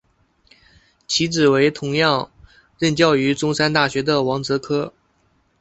其子为同样任教于中山大学的王则柯。